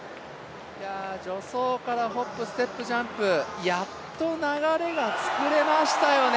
助走からホップ、ステップ、ジャンプ、やっと流れが作れましたよね。